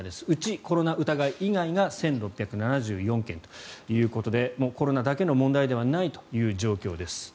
うち、コロナ疑い以外が１６７４件ということでコロナだけでの問題ではないという状況です。